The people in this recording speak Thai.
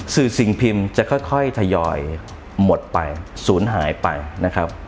สิ่งพิมพ์จะค่อยทยอยหมดไปศูนย์หายไปนะครับ